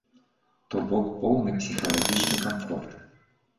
То бок, поўны псіхалагічны камфорт.